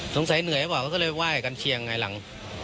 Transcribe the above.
สงสัยเหนื่อยหรือเปล่าก็เลยไหว้กันเชียงไหว้หลัง